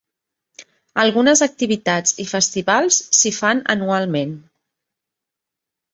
Algunes activitats i Festivals s'hi fan anualment.